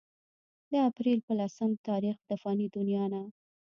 د اپريل پۀ لسم تاريخ د فاني دنيا نه